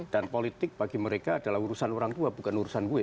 dan politik bagi mereka adalah urusan orang tua bukan urusan gue